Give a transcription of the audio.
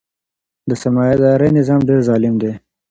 د سرمایه دارۍ نظام ډیر ظالم دی.